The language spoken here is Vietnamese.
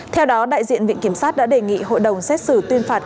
theo đó đại diện viện kiểm sát đã đề nghị hội đồng xét xử tuyên phạt